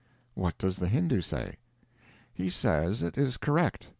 What does the Hindu say? He says it is correct.